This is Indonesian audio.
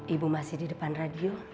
ibu masih di depan radio